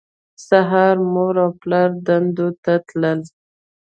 سهار به مور او پلار دندو ته تلل